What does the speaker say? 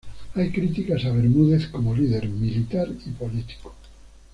Hay críticas a Bermúdez como líder militar y político.